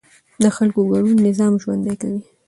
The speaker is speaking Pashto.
د خلکو ګډون نظام ژوندی کوي